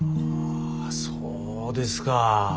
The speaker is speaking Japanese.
そうですか。